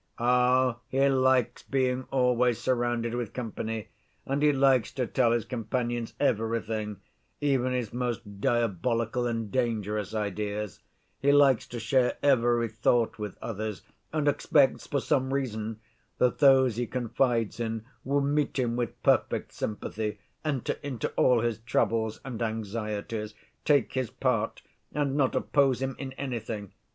Ah, he likes being always surrounded with company, and he likes to tell his companions everything, even his most diabolical and dangerous ideas; he likes to share every thought with others, and expects, for some reason, that those he confides in will meet him with perfect sympathy, enter into all his troubles and anxieties, take his part and not oppose him in anything.